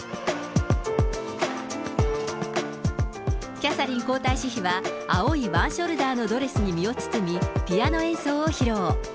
キャサリン皇太子妃は青いワンショルダーのドレスに身を包み、ピアノ演奏を披露。